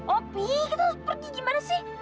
opi kita harus pergi gimana sih